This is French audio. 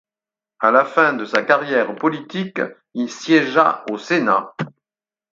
À la fin de sa carrière politique, il siégea au Sénat.